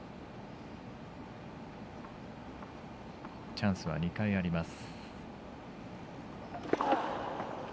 チャンスは２回あります。